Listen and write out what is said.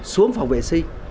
xuống phòng vệ sinh